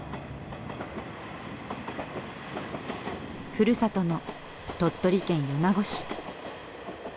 ふるさとの鳥取県米子市。